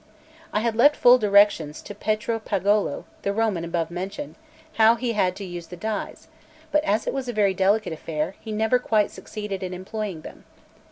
I had left full directions to Petro Pagolo, the Roman above mentioned, how he had to use the dies; but as it was a very delicate affair, he never quite succeeded in employing them.